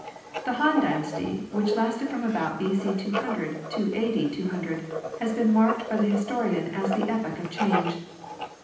The Han dynasty which lasted from about B.C. 200 to A.D. 200 has been marked by the historian as the epoch of change.